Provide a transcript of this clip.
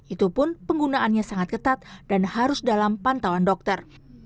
itu pun penggunaannya sangat ketat dan harus dalam pantauan dokter